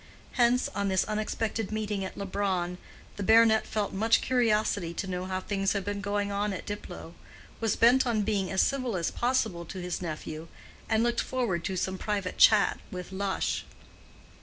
Hence, on this unexpected meeting at Leubronn, the baronet felt much curiosity to know how things had been going on at Diplow, was bent on being as civil as possible to his nephew, and looked forward to some private chat with Lush.